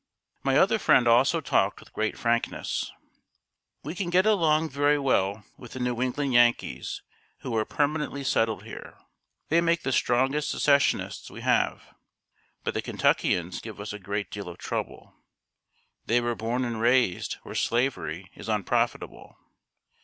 My other friend also talked with great frankness: "We can get along very well with the New England Yankees who are permanently settled here. They make the strongest Secessionists we have; but the Kentuckians give us a great deal of trouble. They were born and raised where Slavery is unprofitable.